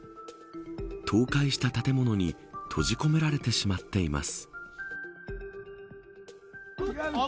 倒壊した建物に閉じ込められてしまっています。